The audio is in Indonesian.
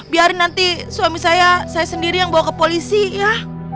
biarin nanti suami saya saya sendiri yang bawa ke polisi ya